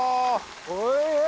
おいしい。